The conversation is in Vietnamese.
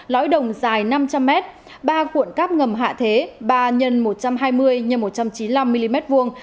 lõi đồng dài năm trăm linh mét ba cuộn cáp ngầm hạ thế ba x một trăm hai mươi x một trăm chín mươi năm mm vuông